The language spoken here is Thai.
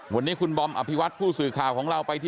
วันนี้คุณบอมท์อพิวัติผู้สื่อข่าวของเรา